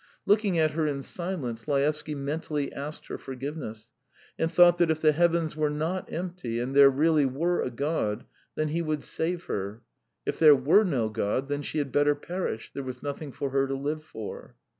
Looking at her in silence, Laevsky mentally asked her forgiveness, and thought that if the heavens were not empty and there really were a God, then He would save her; if there were no God, then she had better perish there was nothing for her to live for.